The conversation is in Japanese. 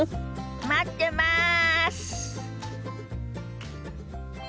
待ってます！